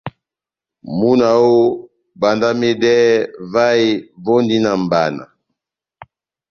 Múna oooh, bandamedɛhɛ, vahe vondi na mʼbana.